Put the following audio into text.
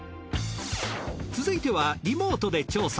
続いてはリモートで調査。